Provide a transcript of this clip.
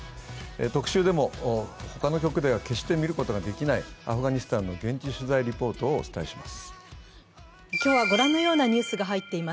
特集でも他の局では決して見ることができないアフガニスタンの現地取材リポートをお伝えします。